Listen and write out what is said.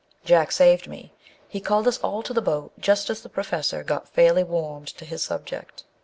Jack saved me: he called us all to the boat just as the Professor got fairly warmed to his sub ject.